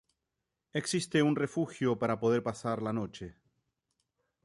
Existe un refugio para poder pasar la noche.